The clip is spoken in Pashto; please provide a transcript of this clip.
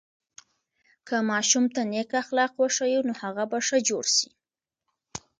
که ماشوم ته نیک اخلاق وښیو، نو هغه به ښه جوړ سي.